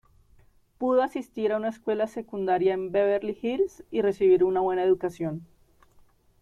Pudo asistir a una escuela secundaria en Beverly Hills y recibir una buena educación.